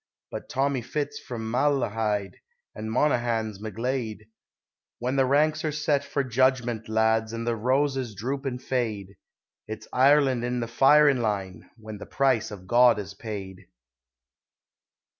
But Tommy Fitz from Malahide, and Monaghan's McGlade, When the ranks are set for judgment, lads, and the roses droop and fade, It's "Ireland in the firin' line!" when the price of God is paid.